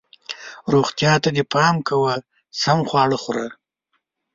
روغتیا ته دې پام کوه ، سم خواړه خوره